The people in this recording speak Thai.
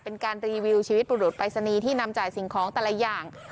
เป็นการรีวิวชีวิตบุรุษปรายศนีย์ที่นำจ่ายสิ่งของแต่ละอย่าง